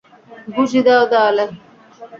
ঘুষি দেও, দেয়ালে।